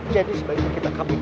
jadi sebaiknya kita kabur